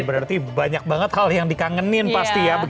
berarti banyak banget hal yang dikangenin pasti ya